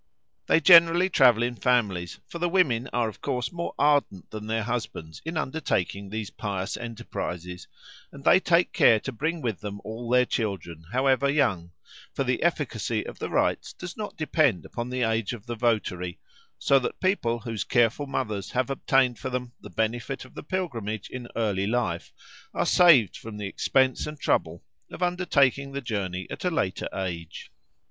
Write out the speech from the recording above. They generally travel in families, for the women are of course more ardent than their husbands in undertaking these pious enterprises, and they take care to bring with them all their children, however young; for the efficacy of the rites does not depend upon the age of the votary, so that people whose careful mothers have obtained for them the benefit of the pilgrimage in early life, are saved from the expense and trouble of undertaking the journey at a later age.